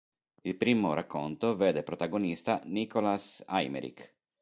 Il primo racconto vede protagonista Nicolas Eymerich.